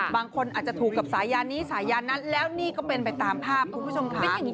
บางคนอาจจะถูกกับสายันนี้สายยานนั้นแล้วนี่ก็เป็นไปตามภาพคุณผู้ชมค่ะ